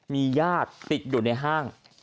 มีญาติติดอยู่ในห้าง